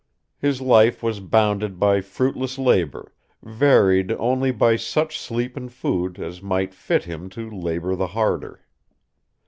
His life was bounded by fruitless labor, varied only by such sleep and food as might fit him to labor the harder.